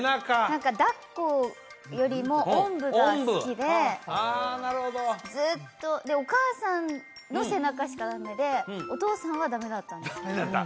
何か抱っこよりもおんぶが好きでずっとでお母さんの背中しかダメでお父さんはダメだったんですダメだった？